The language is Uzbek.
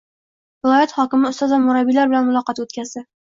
Viloyat hokimi ustoz va murabbiylar bilan muloqot o‘tkazdi